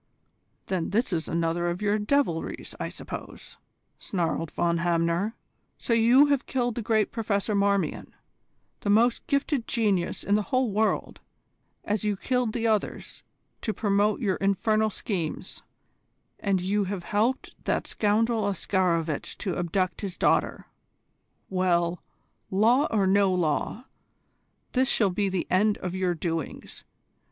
"Then this is another of your devilries, I suppose," snarled Von Hamner. "So you have killed the great Professor Marmion, the most gifted genius in the whole world, as you killed the others, to promote your infernal schemes; and you have helped that scoundrel Oscarovitch to abduct his daughter. Well, law or no law, this shall be the end of your doings.